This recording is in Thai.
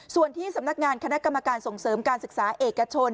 ส่วนที่สำนักงานคณะกรรมการส่งเสริมการศึกษาเอกชน